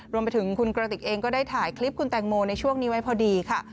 รวมไปถึงคุณกระติกเองก็ได้ถ่ายคลิปคุณแตงโมในช่วงนี้ไว้พอดีค่ะ